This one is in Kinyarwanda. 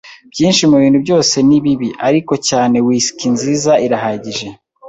Byinshi mubintu byose nibibi, ariko cyane whisky nziza irahagije.